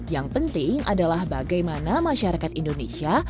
yang penting adalah bagaimana masyarakat indonesia